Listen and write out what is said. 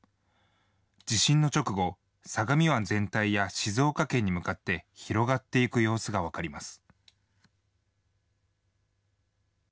地震の直後、相模湾全体や静岡県に向かって広がっていく様子が分かります。